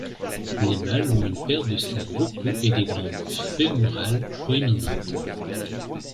Les mâles ont une paire de sacs vocaux et des glandes fémorales proéminentes.